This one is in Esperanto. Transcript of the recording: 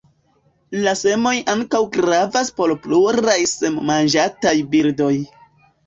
La semoj ankaŭ gravas por pluraj semo-manĝantaj birdoj.